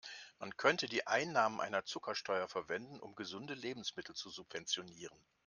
Man könnte die Einnahmen einer Zuckersteuer verwenden, um gesunde Lebensmittel zu subventionieren.